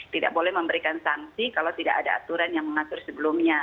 tidak boleh memberikan sanksi kalau tidak ada aturan yang mengatur sebelumnya